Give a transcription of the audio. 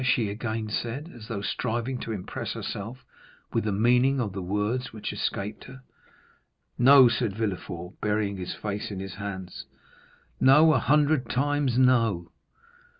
she again said, as though striving to impress herself with the meaning of the words which escaped her. "No," said Villefort, burying his face in his hands, "no, a hundred times no!"